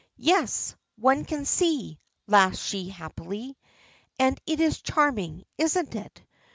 "Yes. One can see!" laughs she happily. "And it is charming, isn't it?